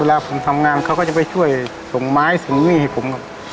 เวลาผมทำงานเขาก็จะไปช่วยส่งไม้ส่งหนี้ให้ผมครับ